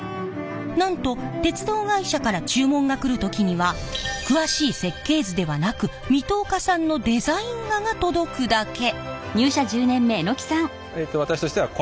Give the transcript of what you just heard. なんと鉄道会社から注文が来る時には詳しい設計図ではなく水戸岡さんのデザイン画が届くだけ。